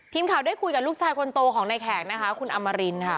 ทีมข่าวได้คุยกับลูกชายคนโตของในแขกนะคะคุณอมรินค่ะ